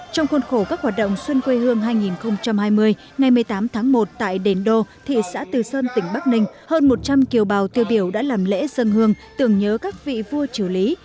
trong khuôn khổ các hoạt động xuân quê hương hai nghìn hai mươi ngày một mươi tám tháng một tại đền đô thị xã từ sơn tỉnh bắc ninh hơn một trăm linh kiều bào tiêu biểu đã làm lễ dân hương tưởng nhớ các vị vua triều lý